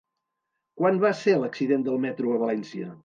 Quan va ser l'accident del metro a València?